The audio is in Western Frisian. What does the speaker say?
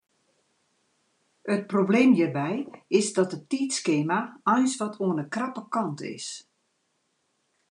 It probleem hjirby is dat it tiidskema eins wat oan de krappe kant is.